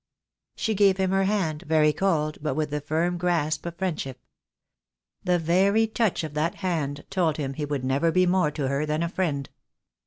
She gave him her hand, very cold, but with the firm grasp of friendship. The very touch of that hand told him he would never be more to her than a friend.